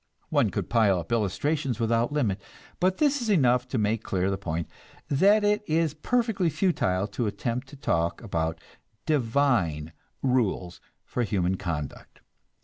One could pile up illustrations without limit; but this is enough to make clear the point, that it is perfectly futile to attempt to talk about "divine" rules for human conduct.